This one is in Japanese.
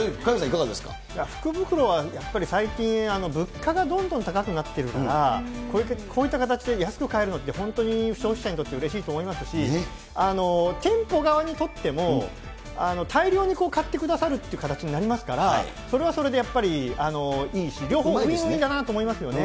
福袋はやっぱり最近、物価がどんどん高くなっているから、こういった形で安く買えるのって、本当に消費者にとってうれしいと思いますし、店舗側にとっても、大量に買ってくださるという形になりますから、それはそれでやっぱりいいし、両方ウィンウィンだなと思いますよね。